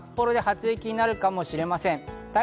金曜日、札幌で初雪になるかもしれません。